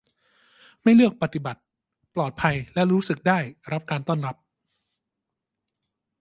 ไม่เลือกปฏิบัติ ปลอดภัยและรู้สึกได้รับการต้อนรับ